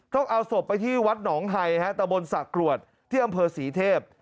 ต้องเอาศพไปที่วัดหนองไฮตะบนสะกรวดที่อำเภอศรีเทพ